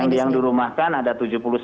enggak yang dirumahkan ada tujuh puluh satu pak